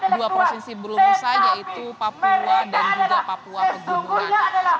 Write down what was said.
dua provinsi belum bisa yaitu papua dan juga papua pegunungan